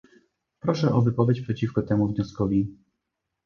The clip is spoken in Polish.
Proszę o wypowiedź przeciwko temu wnioskowi